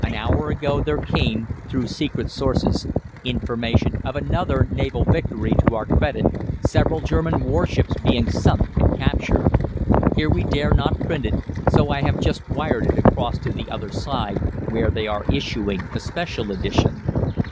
"An hour ago there came, through secret sources, information of another naval victory to our credit, several German warships being sunk and captured. Here we dare not print it, so I have just wired it across to the other side, where they are issuing a special edition.